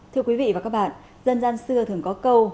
thưa quý vị và các bạn dân gian xưa thường có câu